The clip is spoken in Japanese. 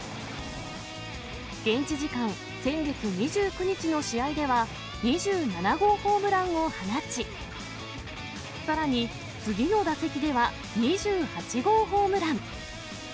現地時間先月２９日の試合では、２７号ホームランを放ち、さらに次の打席では、２８号ホームラン。